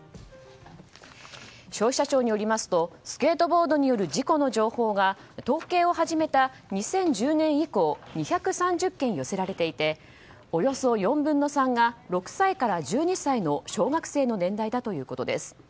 消費者庁によりますとスケートボードによる事故の情報が統計を始めた２０１０年以降２３０件寄せられていておよそ４分の３が６歳から１２歳の小学生の年代だということです。